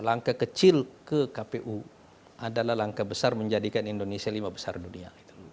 langkah kecil ke kpu adalah langkah besar menjadikan indonesia lima besar dunia